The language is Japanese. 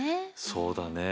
そうだね。